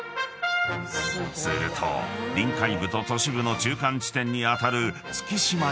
［すると臨海部と都市部の中間地点に当たる月島にも］